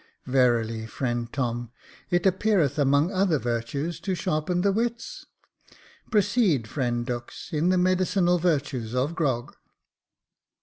"Verily, friend Tom, it appeareth, among other virtues, to sharpen the wits. Proceed, friend Dux, in the medicinal virtues of grog."